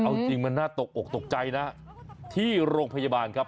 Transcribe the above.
เอาจริงมันน่าตกอกตกใจนะที่โรงพยาบาลครับ